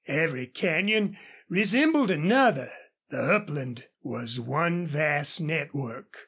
Every canyon resembled another. The upland was one vast network.